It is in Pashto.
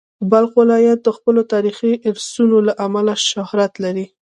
بلخ ولایت د خپلو تاریخي ارثونو له امله شهرت لري.